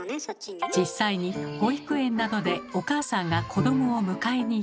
実際に保育園などでお母さんが子どもを迎えに行くと。